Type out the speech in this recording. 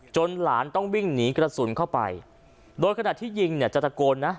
หลานต้องวิ่งหนีกระสุนเข้าไปโดยขณะที่ยิงเนี่ยจะตะโกนนะ